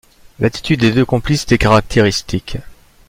L’attitude des deux complices était caractéristique.